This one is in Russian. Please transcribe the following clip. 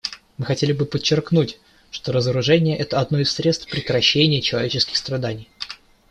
Мы хотели бы подчеркнуть, что разоружение — это одно из средств прекращения человеческих страданий.